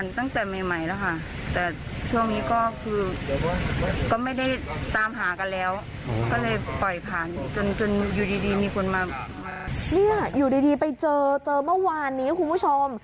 นี่อยู่ดีไปเจอเจอเมื่อวานนี้คุณผู้ชม